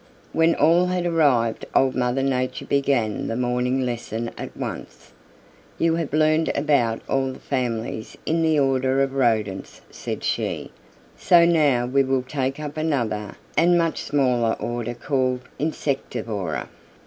When all had arrived Old Mother Nature began the morning lesson at once. "You have learned about all the families in the order of Rodents," said she, "so now we will take up another and much smaller order called Insectivora.